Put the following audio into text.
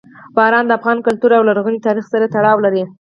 باران د افغان کلتور او لرغوني تاریخ سره تړاو لري.